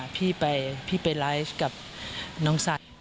พี่ไปไลฟ์กับน้องสัตว์